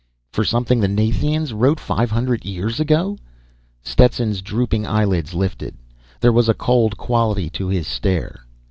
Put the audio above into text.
"For something the Nathians wrote five hundred years ago?" Stetson's drooping eyelids lifted. There was a cold quality to his stare.